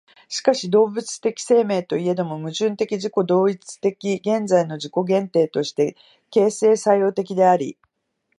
しかし動物的生命といえども、矛盾的自己同一的現在の自己限定として形成作用的であり、